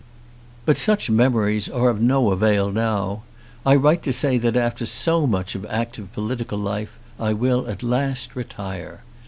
But such memories are of no avail now. I write to say that after so much of active political life, I will at last retire.